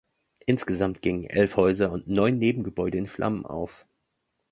Insgesamt gingen elf Häuser und neun Nebengebäude in Flammen auf.